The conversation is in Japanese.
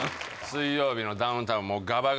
「水曜日のダウンタウン」